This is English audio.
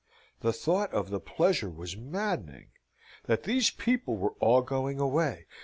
The thought of the pleasure was maddening. That these people were all going away.